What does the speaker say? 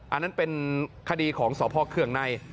อันนั้นเป็นคดีของสพเคืองใน